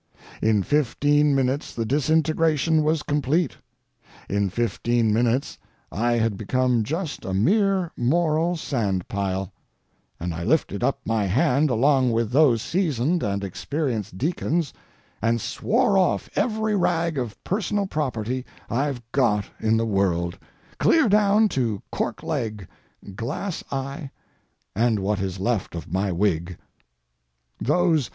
In fifteen minutes the disintegration was complete. In fifteen minutes I had become just a mere moral sand pile; and I lifted up my hand along with those seasoned and experienced deacons and swore off every rag of personal property I've got in the world, clear down to cork leg, glass eye, and what is left of my wig.